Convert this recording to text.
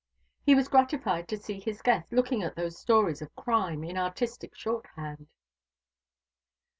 He was gratified to see his guest looking at those stories of crime, in artistic shorthand.